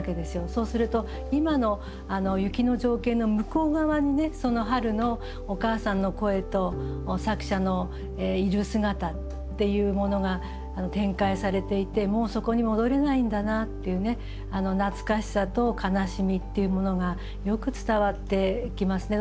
そうすると今の雪の情景の向こう側にその春のお母さんの声と作者のいる姿っていうものが展開されていてもうそこに戻れないんだなっていう懐かしさと悲しみっていうものがよく伝わってきますね。